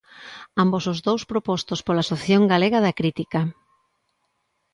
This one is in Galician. Ambos os dous propostos pola Asociación Galega da Crítica.